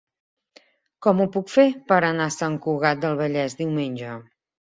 Com ho puc fer per anar a Sant Cugat del Vallès diumenge?